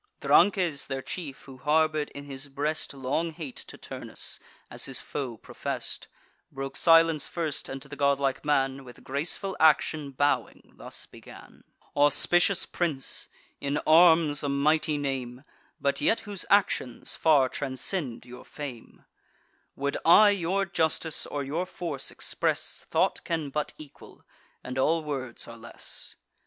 Drances, their chief, who harbour'd in his breast Long hate to Turnus, as his foe profess'd, Broke silence first, and to the godlike man, With graceful action bowing, thus began: "Auspicious prince, in arms a mighty name, But yet whose actions far transcend your fame; Would I your justice or your force express, Thought can but equal; and all words are less.